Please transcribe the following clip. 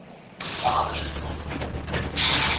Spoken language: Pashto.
ماشومانو ته د "نه" ویلو جرات ورکړئ.